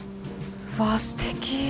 うわすてき！